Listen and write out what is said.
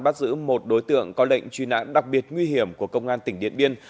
bắt giữ một đối tượng có lệnh truy nãn đặc biệt nguy hiểm của công an tỉnh điện biên